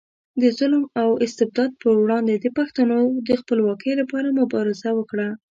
د ظلم او استبداد پر وړاندې د پښتنو د خپلواکۍ لپاره مبارزه وکړه.